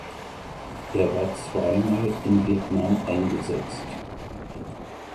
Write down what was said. Er war zweimal in Vietnam eingesetzt.